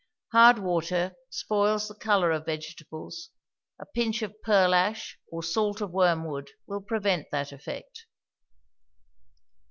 Hard water spoils the color of vegetables; a pinch of pearlash or salt of wormwood will prevent that effect.